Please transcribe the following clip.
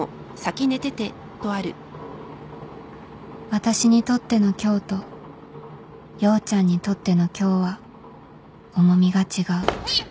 私にとっての今日と陽ちゃんにとっての今日は重みが違ううっ。